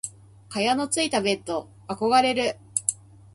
蚊帳のついたベット憧れる。